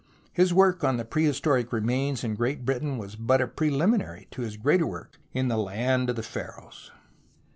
His work on the prer \ historic remains in Great Britain was but if 1 ..., r^ preliminary to his greater work in the land oi A^.?'?''^'^ the Pharaohs.